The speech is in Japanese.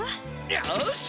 よし！